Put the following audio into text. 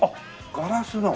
ガラスの。